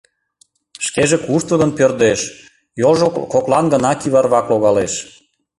Шкеже куштылгын пӧрдеш, йолжо коклан гына кӱварвак логалеш.